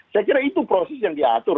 saya kira itu proses yang diatur